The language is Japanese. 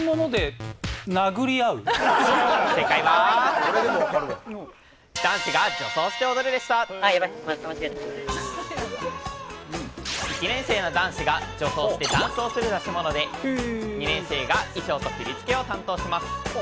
正解は１年生の男子が女装してダンスをする出し物で２年生が衣装と振り付けを担当します。